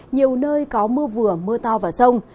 nhiều nơi có mưa vừa mưa to và rông